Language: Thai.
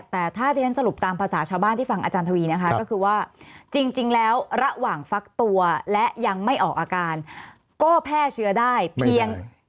แต่ถ้าที่ฉันสรุปตามภาษาชาวบ้านที่ฟังอาจารย์ทวีนะคะก็คือว่าจริงแล้วระหว่างฟักตัวและยังไม่ออกอาการก็แพร่เชื้อได้เพียง